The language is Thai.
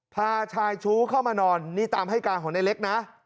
พาชายชู้เข้ามานอนนี่ตามให้การของในเล็กนะ